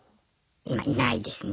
今いないですね。